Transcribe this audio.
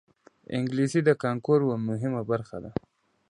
انګلیسي د کانکور یوه مهمه برخه ده